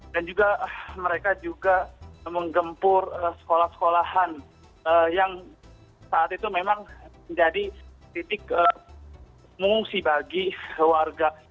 dan juga mereka juga menggempur sekolah sekolahan yang saat itu memang menjadi titik musibagi warga